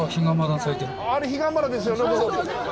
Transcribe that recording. あれ彼岸花ですよね。